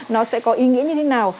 nó sẽ có ý nghĩa như thế nào